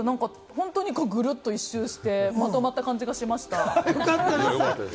本当にぐるっと一周回って、まとまった感じがしました。